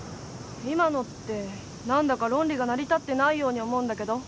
今のって何だか論理が成り立ってないように思うんだけど。